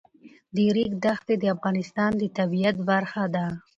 د ریګ دښتې د افغانستان د طبیعت برخه ده.